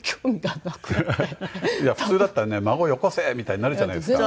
いや普通だったらね「孫よこせ」みたいになるじゃないですか。